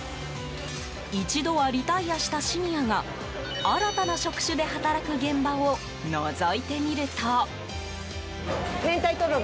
一度はリタイアしたシニアが新たな職種で働く現場をのぞいてみると。